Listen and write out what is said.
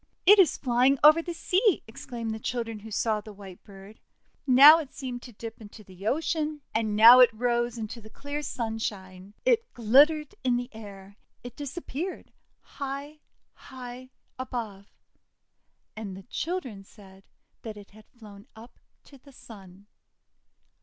'It is flying over the sea!' exclaimed the children who saw the white bird. Now it seemed to dip into the ocean, and now it rose into the clear sunshine. It glittered in the air. It disappeared high, high above. And the children said that it had flown up to the Sun.